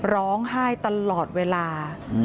ร้องไห้ตลอดเวลา